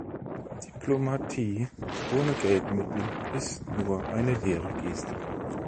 Diplomatie ohne Geldmittel ist nur eine leere Geste.